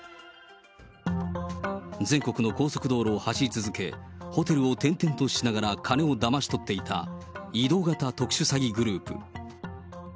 全国の高速道路を走り続け、ホテルを転々としながら金をだまし取っていた移動型特殊詐欺グループ。